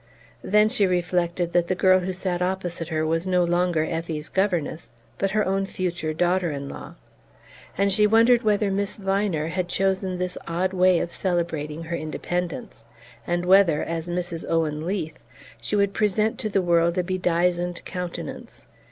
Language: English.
Then she reflected that the girl who sat opposite her was no longer Effie's governess, but her own future daughter in law; and she wondered whether Miss Viner had chosen this odd way of celebrating her independence, and whether, as Mrs. Owen Leath, she would present to the world a bedizened countenance.